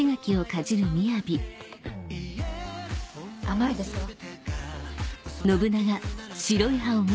甘いですわ。